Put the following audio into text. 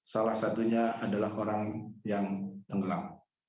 salah satunya adalah orang yang tenggelam